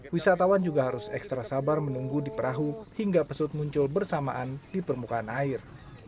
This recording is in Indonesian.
wisatawan juga harus ekstra sabar menunggu di perahu hingga pesut muncul bersamaan di permukaan air